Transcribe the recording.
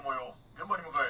現場に向かえ。